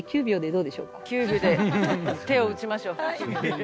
９秒で手を打ちましょう。